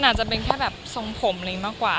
มันอาจจะเป็นแค่แบบทรงผมเลยมากกว่า